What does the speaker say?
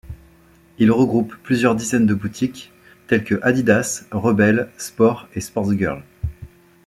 Il regroupe plusieurs dizaines de boutiques telles que Adidas, Rebel Sport et Sportsgirl.